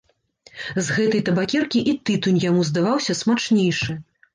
З гэтай табакеркі і тытунь яму здаваўся смачнейшы.